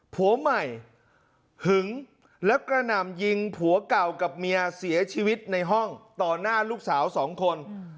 ผัวใหม่หึงแล้วกระหน่ำยิงผัวเก่ากับเมียเสียชีวิตในห้องต่อหน้าลูกสาวสองคน